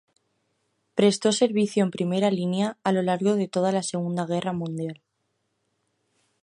Prestó servicio en primera línea a lo largo de toda la Segunda Guerra Mundial.